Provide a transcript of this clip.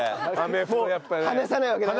離さないわけだね。